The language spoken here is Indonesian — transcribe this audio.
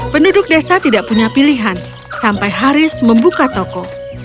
penduduk desa tidak punya pilihan sampai haris membuka toko